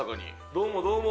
どうもどうも。